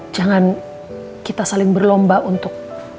jangan kita saling berlomba untuk